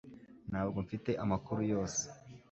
Ntabwo mfite amakuru yose